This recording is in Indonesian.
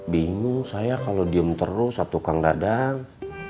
bingung saya kalau diem terus atau kang dadang